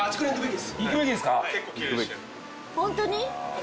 ホントに？